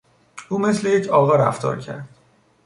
او مثل یک آقا رفتار کرد.